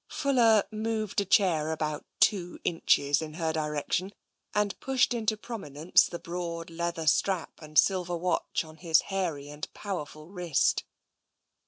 " Fuller moved a chair about two inches in her direc tion and pushed into prominence the broad leather strap and silver watch on his hairy and powerful wrist.